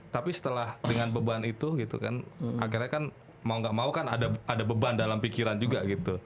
tapi setelah dengan beban itu gitu kan akhirnya kan mau gak mau kan ada beban dalam pikiran juga gitu